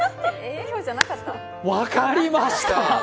分かりました！